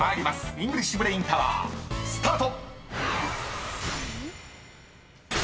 イングリッシュブレインタワースタート！］